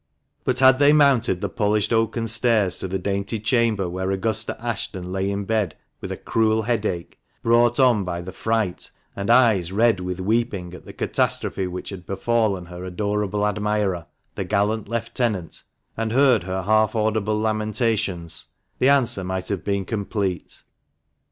But had they mounted the polished oaken stairs to the dainty chamber where Augusta Ashton lay in bed with a " cruel headache," brought on by the fright, and eyes red with weeping at the catastrophe which had befallen her adorable admirer, the gallant lieutenant, and heard her half audible lamentations, the answer might have been complete.